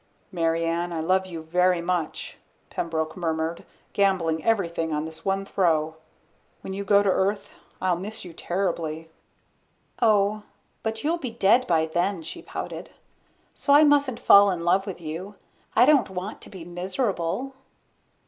"Mary Ann, I love you very much," Pembroke murmured, gambling everything on this one throw. "When you go to Earth I'll miss you terribly." "Oh, but you'll be dead by then," she pouted. "So I mustn't fall in love with you. I don't want to be miserable."